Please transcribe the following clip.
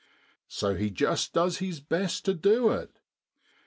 So he just does his best to do it.